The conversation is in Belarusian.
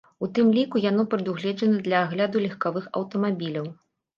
У тым ліку яно прадугледжана для агляду легкавых аўтамабіляў.